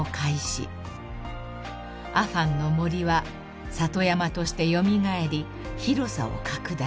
［アファンの森は里山として蘇り広さを拡大］